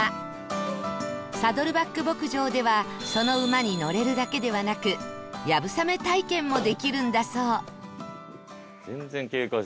サドルバック牧場ではその馬に乗れるだけではなく流鏑馬体験もできるんだそう